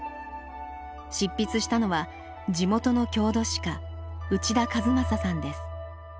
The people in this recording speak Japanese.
執筆したのは地元の郷土史家内田一正さんです。